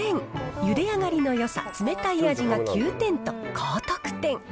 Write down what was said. ゆで上がりのよさ、冷たい味が９点と、高得点。